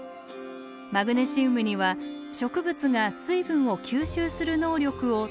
マグネシウムには植物が水分を吸収する能力を低下させる性質があります。